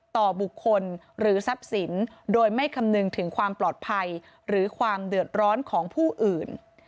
ต่อบุคคลหรือทรัพย์สินโดยไม่คำนึงถึงความปลอดภัยหรือความเดือดร้อนของผู้อื่น